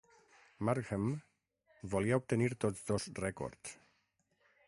Markham volia obtenir tots dos rècords.